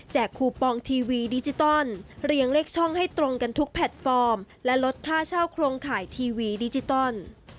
คูปองทีวีดิจิตอลเรียงเลขช่องให้ตรงกันทุกแพลตฟอร์มและลดค่าเช่าโครงข่ายทีวีดิจิตอล